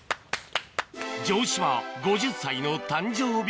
城島５０歳の誕生日